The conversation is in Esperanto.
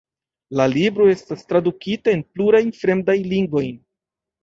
La libro estas tradukita en plurajn fremdajn lingvojn.